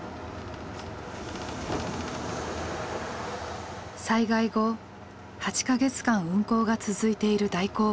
災害後８か月間運行が続いている代行バス。